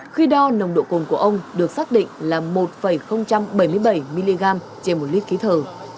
khi đo nồng độ cồn của ông được xác định là một bảy mươi bảy mg trên một lít khí thở